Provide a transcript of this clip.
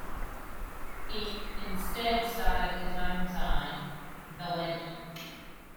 He instead started his own zine, The Legend!